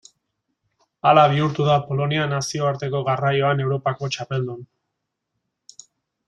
Hala bihurtu da Polonia nazioarteko garraioan Europako txapeldun.